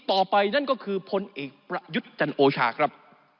นั่นก็คือพลเอกประยุทธ์จันโอชาครับ